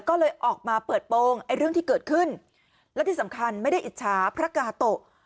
ก็เลยออกมาเปิดโปรงไอ้เรื่องที่เกิดขึ้นและที่สำคัญไม่ได้อิจฉาพระกาโตะ